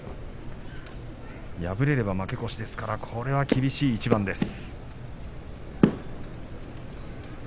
敗れれば負け越しですからこれは厳しい一番です。